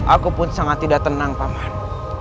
aku pun sangat tidak tenang paman